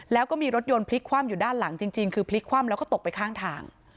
แล้วก็มีรถยนต์พลิกคว่ำอยู่ด้านหลังจริงคือพลิกคว่ำแล้วก็ตกไปข้างทาง